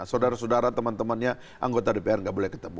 saudara saudara teman temannya anggota dpr nggak boleh ketemu